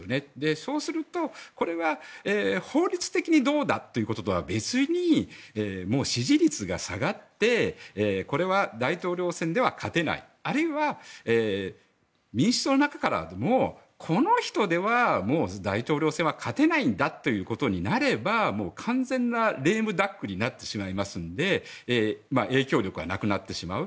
そうすると、これは法律的にどうだということとは別に支持率が下がって大統領選では勝てない、あるいは民主党の中からもこの人では、もう大統領選は勝てないんだということになれば完全なレームダックになってしまうので影響力がなくなってしまう。